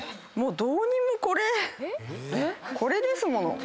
これですもの。